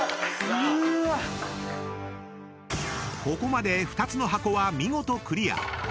［ここまで２つの箱は見事クリア］